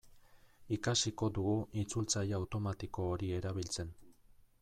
Ikasiko dugu itzultzaile automatiko hori erabiltzen.